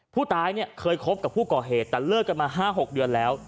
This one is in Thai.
ผู้ตายเนี่ยเคยคบกับผู้ก่อเหตุแต่เลิกกันมา๕๖เดือนแล้ว